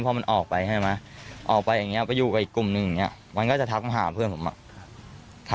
พอออกไปอยู่กับกลุ่มหนึ่งมันก็จะทักมาหาเพื่อนมา